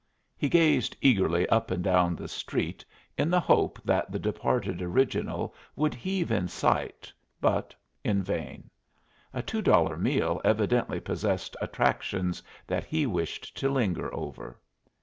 He gazed eagerly up and down the street in the hope that the departed original would heave in sight, but in vain. A two dollar meal evidently possessed attractions that he wished to linger over.